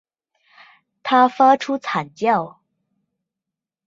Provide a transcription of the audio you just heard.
他发出惨叫